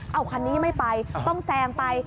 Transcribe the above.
เอาคันนี้ไม่ไปต้องแซงไป